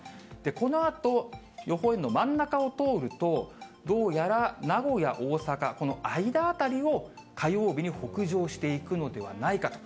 このあと、予報円の真ん中を通ると、どうやら名古屋、大阪、この間辺りを火曜日に北上していくのではないかと。